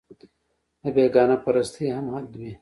د بېګانه پرستۍ هم حد وي